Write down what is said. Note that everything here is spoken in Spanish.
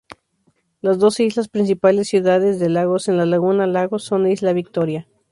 Las dos islas principales ciudades de Lagos en la laguna Lagos son Isla Victoria.